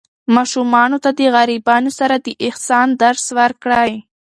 ماشومانو ته د غریبانو سره د احسان درس ورکړئ.